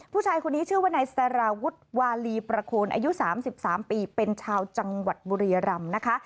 ผู้ชายคนนี้ชื่อว่านายสารวุฒิวาลีประโคนอายุ๓๓ปีเป็นชาวจังหวัดบุรียรำนะคะ